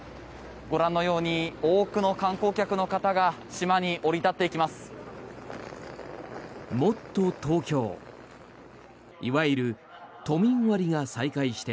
ご覧のように多くの観光客の方が島に降り立っていきます。